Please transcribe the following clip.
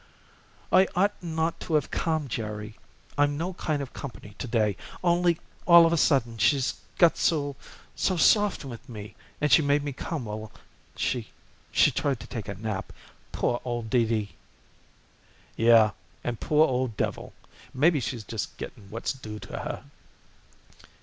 "I ought not to have come, Jerry. I'm no kind of company to day, only all of a sudden she's got so so soft with me and she made me come while she she tried to take a nap. Poor old Dee Dee!" "Yeh, and poor old devil. Maybe she's just getting what's due to her."